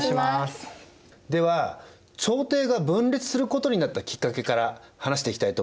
では朝廷が分裂することになったきっかけから話していきたいと思います。